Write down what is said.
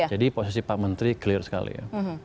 jadi posisi pak menteri clear sekali ya